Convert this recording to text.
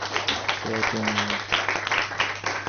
কে তুমি?